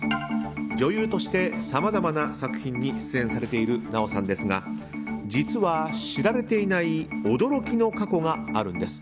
女優としてさまざまな作品に出演されている奈緒さんですが実は知られていない驚きの過去があるんです。